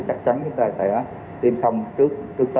chắc chắn chúng ta sẽ tiêm xong trước tết